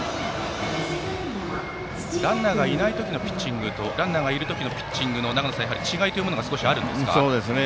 ランナーがいない時のピッチングとランナーがいる時のピッチングの違いというものが少しあるんですか。